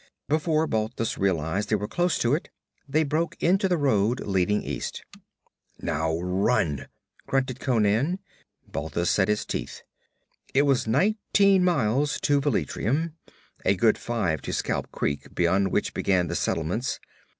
Before Balthus realized they were close to it, they broke into the road leading east. 'Now run!' grunted Conan. Balthus set his teeth. It was nineteen miles to Velitrium, a good five to Scalp Creek beyond which began the settlements.